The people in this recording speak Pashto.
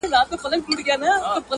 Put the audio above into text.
• زاړه خبري بيا راژوندي کيږي,